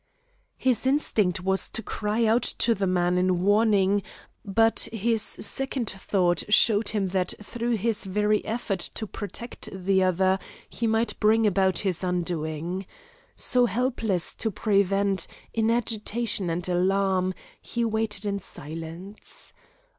His instinct was to cry out to the man in warning, but his second thought showed him that through his very effort to protect the other, he might bring about his undoing. So, helpless to prevent, in agitation and alarm, he waited in silence.